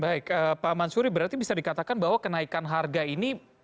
baik pak mansuri berarti bisa dikatakan bahwa kenaikan harga ini